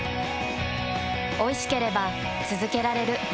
おいしければつづけられる。